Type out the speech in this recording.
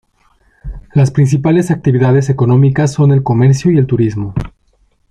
Las principales actividades económicas son el comercio y el turismo.